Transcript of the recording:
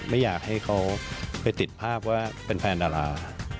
ไม่อยากให้เขาไปติดภาพว่าเป็นแฟนดารา